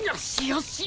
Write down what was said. よし！